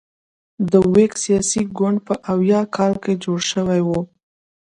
د ویګ سیاسي ګوند په اویا کال کې جوړ شوی و.